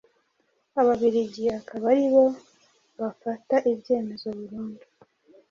Ababiligi akaba aribo bafata ibyemezo burundu.